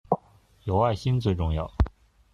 有愛心最重要